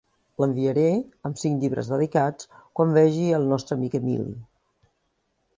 L'enviaré, amb cinc llibres dedicats, quan vegi el nostre amic Emili.